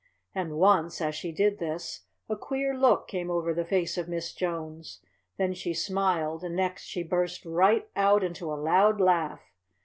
And once, as she did this, a queer look came over the face of Miss Jones. Then she smiled and next she burst right out into a loud laugh.